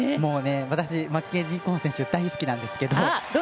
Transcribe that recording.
私、マッケンジー・コーン選手大好きなんですけど。